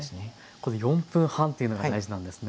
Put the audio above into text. この４分半っていうのが大事なんですね。